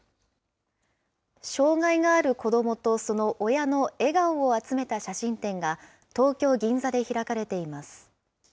障害がある子どもとその親の笑顔を集めた写真展が東京・銀座